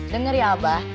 denger ya abah